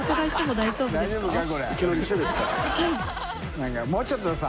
何かもうちょっとさ